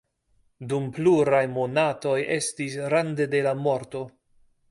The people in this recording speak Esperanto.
Dum pluraj monatoj estis rande de la morto.